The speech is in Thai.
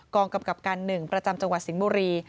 กำกับการ๑ประจำจังหวัดสิงห์บุรี